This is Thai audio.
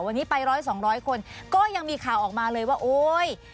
วันนี้ไปร้อยสองร้อยคนก็ยังมีข่าวออกมาเลยว่าโอ๊ย